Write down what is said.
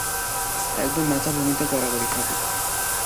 একদম, মাথা ভূমিতে গড়াগড়ি খাবে।